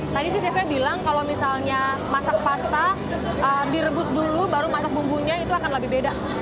tadi sih chefnya bilang kalau misalnya masak pasta direbus dulu baru masak bumbunya itu akan lebih beda